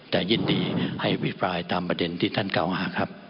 แต่ยินดีให้อภิปรายตามประเด็นที่ท่านเก่าหาครับ